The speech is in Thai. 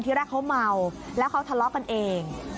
ที่แรกเขาเมาแล้วเขาทะเลาะกันเอง